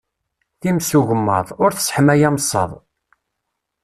Times ugemmaḍ, ur tesseḥmay ameṣṣaḍ.